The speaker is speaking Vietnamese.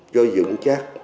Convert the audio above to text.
cho dựng chắc